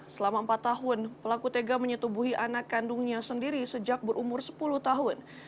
selama empat tahun pelaku tega menyetubuhi anak kandungnya sendiri sejak berumur sepuluh tahun